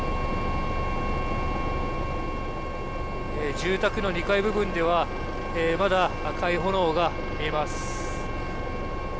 住宅の２階部分ではまだ赤い炎が見えます。